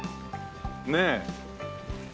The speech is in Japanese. ねえ。